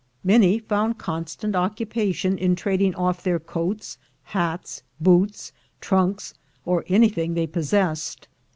Many found constant occupation in trading off their coats, hats, boots, trunks, or anything they possessed.